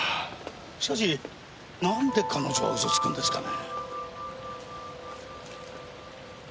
しかしなんで彼女は嘘つくんですかね。